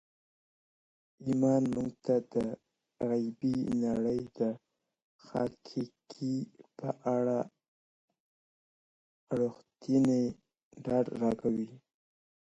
ایمان موږ ته د غیبي نړۍ د حقایقو په اړه رښتینی ډاډ راکوي.